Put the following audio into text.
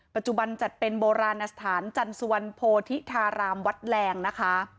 ปัจจุบันจัดเป็นโบราณสถานจันสุวรรณโพธิธารามวัดแรงนะคะ